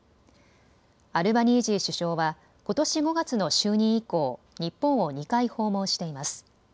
アルバニージー首相はことし５月の就任以降、日本を２回訪問しています。